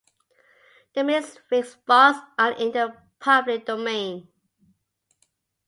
The misc-fixed fonts are in the public domain.